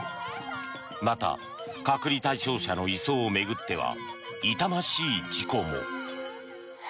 また隔離対象者の移送を巡っては痛ましい事故も。